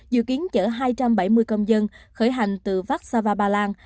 dự kiến chở hai trăm bảy mươi công dân khởi hành từ vác xa va ba lang